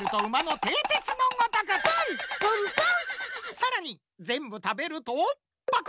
さらにぜんぶたべるとパク！